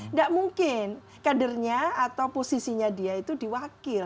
nggak mungkin kadernya atau posisinya dia itu diwakil